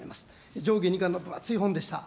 上下２巻の厚い本でした。